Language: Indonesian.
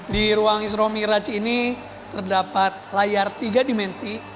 di ruang isro miraj ini terdapat layar tiga dimensi